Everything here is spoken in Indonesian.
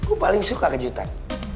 aku paling suka kejutan